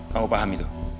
kamu paham itu